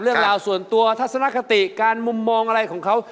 เรื่องราวส่วนตัวทัศนคติการมุมมองอะไรของเขา